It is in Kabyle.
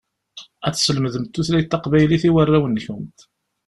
Ad teslemdemt tutlayt taqbaylit i warraw-nkent.